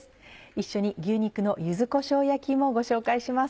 一緒に「牛肉の柚子こしょう焼き」もご紹介します。